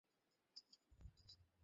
হুম, তুমি কী ভাবো?